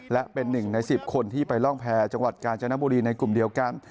และเป็นหนึ่งใน๑๐คนที่ไปร่องแพรจังหวัดกาญจนบุรีในกลุ่มเดียวกัน